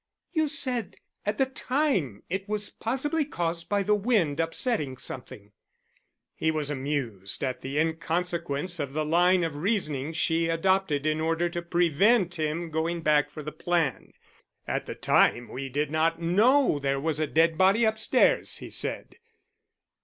"You said at the time it was possibly caused by the wind upsetting something." He was amused at the inconsequence of the line of reasoning she adopted in order to prevent him going back for the plan. "At the time we did not know there was a dead body upstairs," he said.